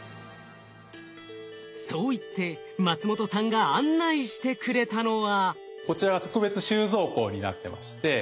そう言って松本さんが案内してくれたのは。